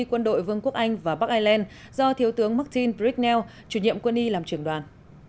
quân đội vương quốc anh và bắc ireland do thiếu tướng martin brignell chủ nhiệm quân y làm trưởng đoàn